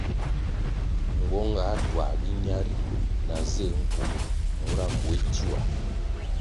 Nguong ga tuah biña ri na zig nkuo mura mbuéh tioa.